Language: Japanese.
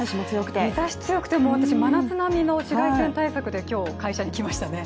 日ざしが強くて、私、真夏並みの紫外線対策で今日、会社に来ましたね。